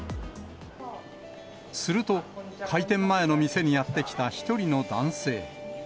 すると、開店前の店にやって来た１人の男性。